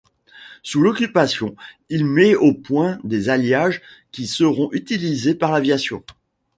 Sous l'Occupation, il met au point des alliages qui seront utilisés par l'aviation.